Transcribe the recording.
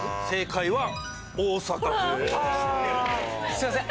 すいません。